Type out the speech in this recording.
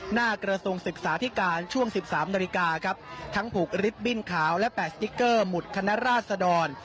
กระทรวงศึกษาธิการช่วง๑๓นาฬิกาครับทั้งผูกลิฟต์บิ้นขาวและ๘สติ๊กเกอร์หมุดคณะราชดร